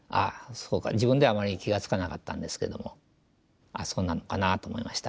そうか自分ではあまり気が付かなかったんですけどもああそうなのかなと思いました。